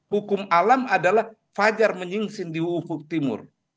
hukum alam adalah fajar menyingsi di ufuk timur